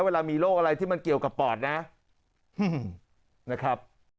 เวลามีโรคอะไรที่มันเกี่ยวกับปอดนะนะครับ